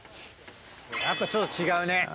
やっぱちょっと違うね。